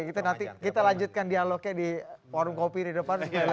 oke kita lanjutkan dialognya di forum kopi di depan